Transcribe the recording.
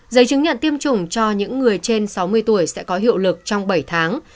giấy chứng nhận tiêm chủng cho những người trên sáu mươi tuổi sẽ có hiệu lực trong bảy tháng